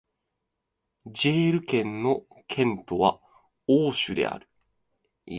ジェール県の県都はオーシュである